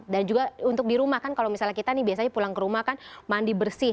dan juga untuk di rumah kan kalau misalnya kita nih biasanya pulang ke rumah kan mandi bersih